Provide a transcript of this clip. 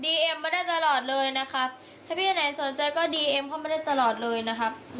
เอ็มมาได้ตลอดเลยนะครับถ้าพี่ไหนสนใจก็ดีเอ็มเข้ามาได้ตลอดเลยนะครับ